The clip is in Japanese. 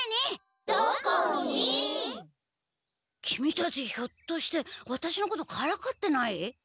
キミたちひょっとしてワタシのことからかってない？